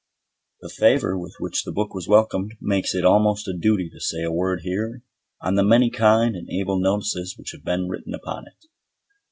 The favour with which the book was welcomed makes it almost a duty to say a word here on the many kind and able notices which have been written upon it.